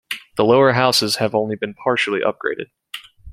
The lower houses have only been partially upgraded.